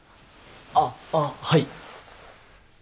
あっあっはい。